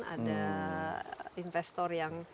ada investor yang